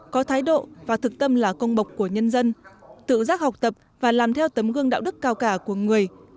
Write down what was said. có thái độ và thực tâm là công bộc của nhân dân tự giác học tập và làm theo tấm gương đạo đức cao cả của người